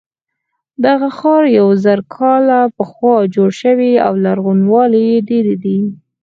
دغه ښار یو زر کاله پخوا جوړ شوی او لرغونوالی یې ډېر دی.